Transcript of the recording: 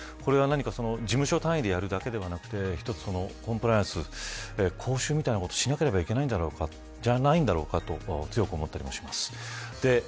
これは事務所単位でやるだけではなくて一つのコンプライアンスの講習みたいなことをしなければいけないんじゃないかと強く思ったりもします。